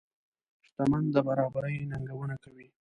شتمن د برابرۍ ننګونه کوي.